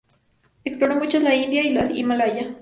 Exploró mucho la India y los Himalaya.